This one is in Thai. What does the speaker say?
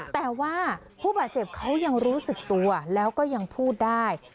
แต่ว่าผู้บาดเจ็บเขายังรู้สึกตัวแล้วก็ยังพูดได้